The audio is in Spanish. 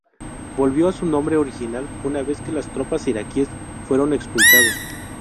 Volvió a su nombre original una vez que las tropas iraquíes fueron expulsados.